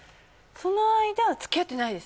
その間つきあってないです